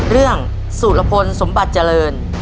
เรื่องสุรพลสมบัติเจริญ